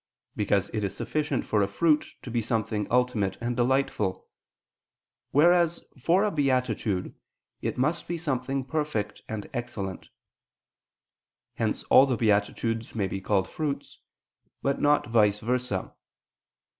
Because it is sufficient for a fruit to be something ultimate and delightful; whereas for a beatitude, it must be something perfect and excellent. Hence all the beatitudes may be called fruits, but not vice versa.